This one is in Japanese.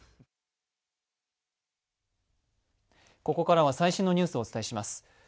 ここからは最新のニュースをお伝えします。